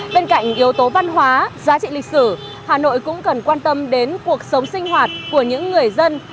bên cạnh yếu tố văn hóa giá trị lịch sử hà nội cũng cần quan tâm đến cuộc sống sinh hoạt của những người dân